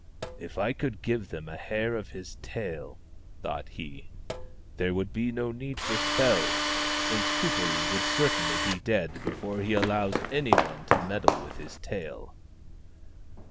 " If I could give them a hair of his tail," thought he, " there would be no need for spells, since Kuperee will certainly be dead before he allows anyone to meddle with his tail."